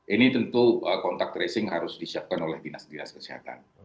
ini tentu kontak tracing harus disiapkan oleh dinas dinas kesehatan